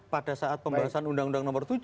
pada saat pembahasan undang undang nomor tujuh